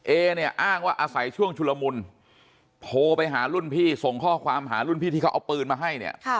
เอเนี่ยอ้างว่าอาศัยช่วงชุลมุนโทรไปหารุ่นพี่ส่งข้อความหารุ่นพี่ที่เขาเอาปืนมาให้เนี่ย